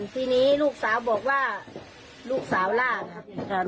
ทีนี้ลูกสาวบอกว่าลูกสาวล่านะครับ